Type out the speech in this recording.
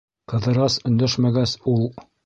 Ҡыҙырас өндәшмәгәс, ул: